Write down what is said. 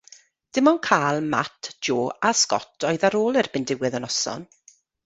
Dim ond Carl, Matt, Jo a Scott oedd ar ôl erbyn diwedd y noson.